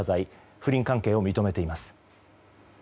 不倫関係を認めています。